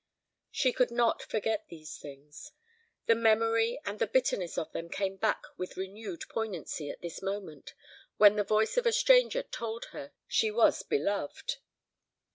She could not forget these things. The memory and the bitterness of them came back with renewed poignancy at this moment, when the voice of a stranger told her she was beloved.